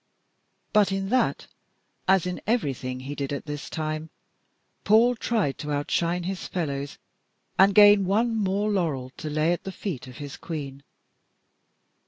But in that, as in everything he did at this time, Paul tried to outshine his fellows, and gain one more laurel to lay at the feet of his Queen.